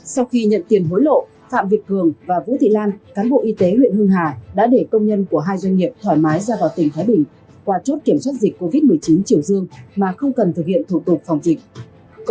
sau khi nhận tiền hối lộ phạm việt cường và vũ thị lan cán bộ y tế huyện hưng hà đã để công nhân của hai doanh nghiệp thoải mái ra vào tỉnh thái bình qua chốt kiểm soát dịch covid một mươi chín triều dương mà không cần thực hiện thủ tục phòng dịch